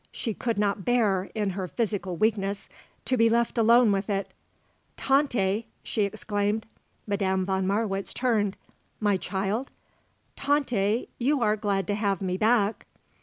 She could not bear, in her physical weakness, to be left alone with it. "Tante!" she exclaimed. Madame von Marwitz turned. "My child?" "Tante you are glad to have me back?"